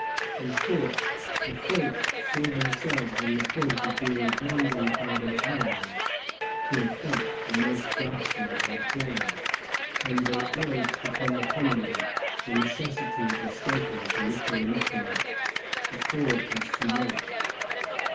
In short, the French saw themselves on the point of being abandoned by their allies to a fate the most ghastly and appalling; and they urged upon the commandant the necessity of escaping to Michilimackinac before it was too late.